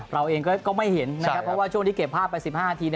เราเองก็ไม่เห็นนะครับเพราะว่าช่วงที่เก็บภาพไป๑๕นาที